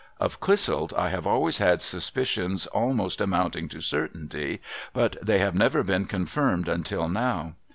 Of Clissold I have always had suspicions almost amounting to certainty ; but they have never been confirmed until now.